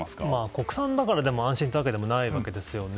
国産だから安心というわけでもないわけですよね。